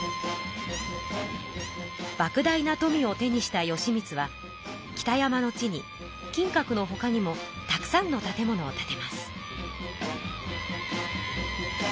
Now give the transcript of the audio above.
ばく大な富を手にした義満は北山の地に金閣のほかにもたくさんの建物を建てます。